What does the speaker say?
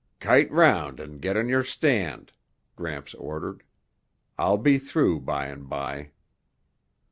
"Kite round and get on your stand," Gramps ordered. "I'll be through by and by."